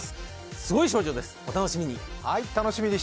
すごい少女です、お楽しみに。